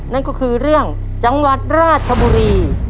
นั่นก็คือเรื่องจังหวัดราชบุรี